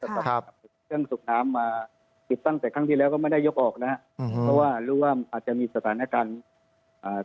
เครื่องสูบน้ำมาติดตั้งแต่ครั้งที่แล้วก็ไม่ได้ยกออกนะฮะอืมเพราะว่ารู้ว่าอาจจะมีสถานการณ์อ่า